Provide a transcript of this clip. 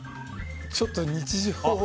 ちょっと日常を。